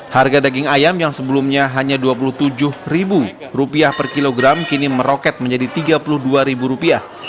harga daging ayam yang sebelumnya hanya rp dua puluh tujuh per kilogram kini meroket menjadi rp tiga puluh dua